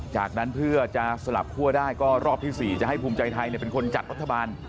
จากนั้นเพื่อจะสลับคั่วได้ก็รอบที่๔จะให้ภูมิใจไทยเป็นคนจัดรัฐบาล